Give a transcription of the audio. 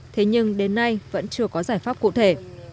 thế nhưng đến nay vẫn chưa có giải pháp cụ thể